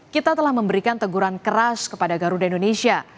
kita telah memberikan teguran keras kepada garuda indonesia